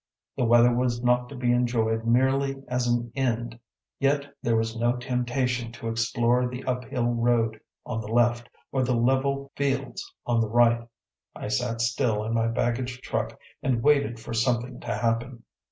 The weather was not to be enjoyed merely as an end, yet there was no temptation to explore the up hill road on the left, or the level fields on the right; I sat still on my baggage truck and waited for something to happen.